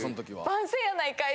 番宣やないかい！